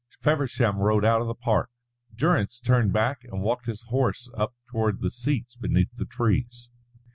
Feversham rode out of the park, Durrance turned back and walked his horse up toward the seats beneath the trees.